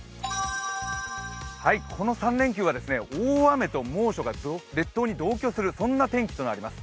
この３連休は大雨と猛暑が列島に同居するそんな天気となります。